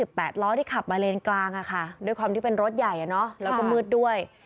อีกครั้งคือพวกที่ขับมาเลนกลางโดยความที่เป็นรถใหญ่และมืดด้วย